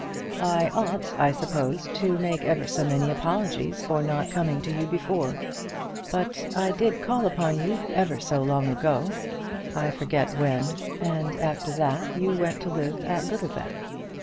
"I ought, I suppose, to make ever so many apologies for not coming to you before; but I did call upon you, ever so long ago; I forget when, and after that you went to live at Littlebath.